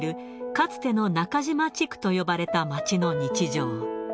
かつての中島地区と呼ばれた街の日常。